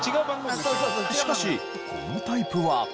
しかしこのタイプは。